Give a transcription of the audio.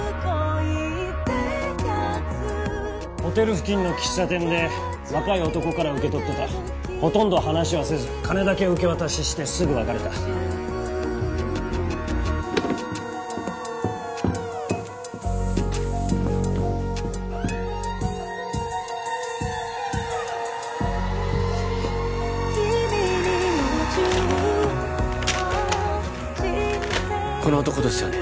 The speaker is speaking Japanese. ホテル付近の喫茶店で若い男から受け取ってたほとんど話はせず金だけ受け渡ししてすぐ別れたこの男ですよね